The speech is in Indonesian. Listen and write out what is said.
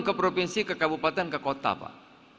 ke provinsi ke kabupaten ke kota pak